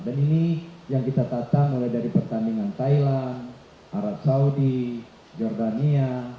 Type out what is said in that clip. dan ini yang kita tata mulai dari pertandingan thailand arab saudi jordania